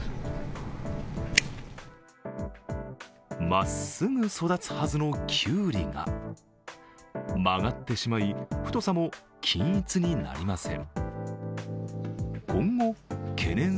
まっすぐ育つはずのきゅうりが曲がってしまい太さも均一になりません。